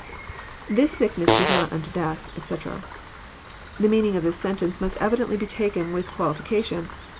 IThis sickness is not unto death, etc,'] The meaning of this sentence must evidently be taken with qualification.